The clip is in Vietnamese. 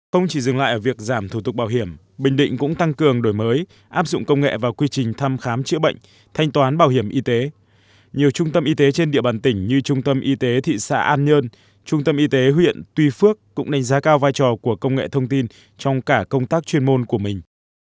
công nghệ bảo hiểm y tế trung tâm y tế trên địa bàn tỉnh như trung tâm y tế thị xã an nhơn trung tâm y tế huyện tùy phước cũng đánh giá cao vai trò của công nghệ thông tin trong cả công tác chuyên môn của mình